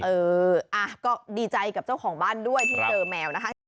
เออก็ดีใจกับเจ้าของบ้านด้วยที่เจอแมวนะคะ